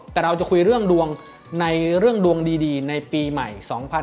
แต่เราจะคุยเรื่องดวงในเรื่องดวงดีในปีใหม่๒๕๖๒